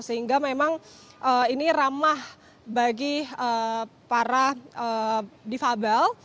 sehingga memang ini ramah bagi para difabel